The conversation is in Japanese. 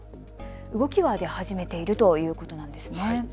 動きは出始めているということなんですね。